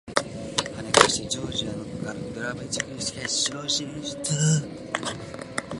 跳ね返してジョージアのグリガラシビリ決勝進出！